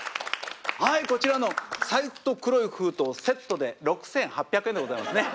はいこちらの財布と黒い封筒セットで６，８００円でございますね。